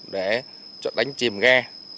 để cho đánh chìm ghe